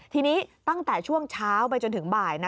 ทีนี้ตั้งแต่ช่วงเช้าไปจนถึงบ่าย